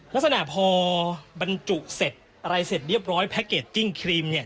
ลักษณะพอบรรจุเสร็จอะไรเสร็จเรียบร้อยแพ็คเกจจิ้งครีมเนี่ย